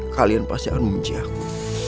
kalian pasti akan membenci aku